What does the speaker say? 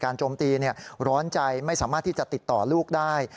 โจมตีร้อนใจไม่สามารถที่จะติดต่อลูกได้